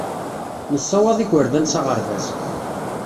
Nessawaḍ igerdan s aɣerbaz.